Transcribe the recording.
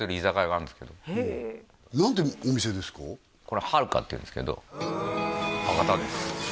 これ春香っていうんですけど博多です